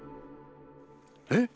えっ？